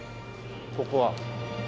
ここは。